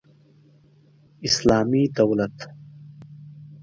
اسلامي دولت